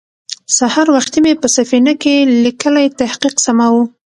سهار وختې مې په سفينه کې ليکلی تحقيق سماوه.